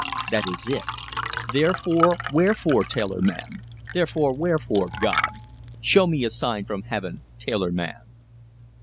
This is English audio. That is it. Therefore, wherefore, tailor man? Therefore, wherefore, God? Show me a sign from Heaven, tailor man!"